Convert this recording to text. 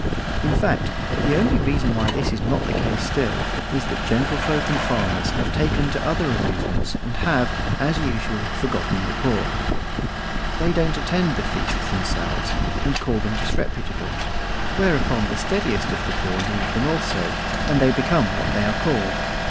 In fact, the only reason why this is not the case still is that gentlefolk and farmers have taken to other amusements, and have, as usual, forgotten the poor. They don't attend the feasts themselves, and call them disreputable; whereupon the steadiest of the poor leave them also, and they become what they are called.